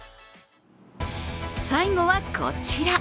最後はこちら。